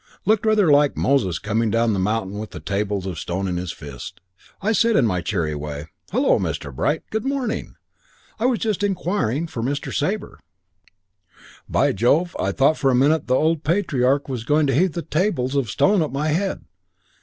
Looked rather like Moses coming down the mountain with the Tables of Stone in his fist. I said in my cheery way, 'Hullo, Mr. Bright. Good morning. I was just inquiring for Mr. Sabre.' "By Jove, I thought for a minute the old patriarch was going to heave the tables of stone at my head.